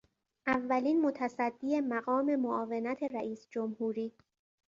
اولین متصدی مقام معاونت رئیس جمهوری